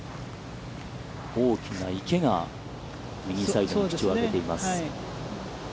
大きな池が右サイドに口を開けています。